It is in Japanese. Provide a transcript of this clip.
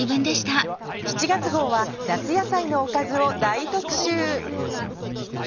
７月号は夏野菜のおかずを大特集。